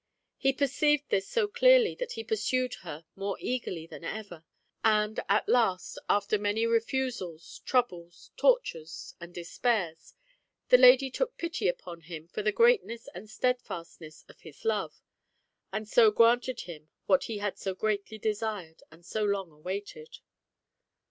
He perceived this so clearly that he pursued her more eagerly than ever; and at last, after many refusals, troubles, tortures and despairs, the lady took pity upon him for the greatness and steadfastness of his love, and so granted him what he had so greatly desired and so long awaited.